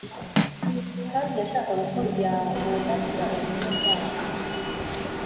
kandi yashakaga uko yabumbatira ubumwe bwayo